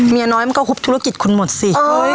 เมียน้อยมันก็ฮุบธุรกิจคุณหมดสิ